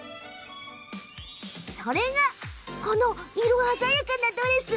それが、この色鮮やかなドレス。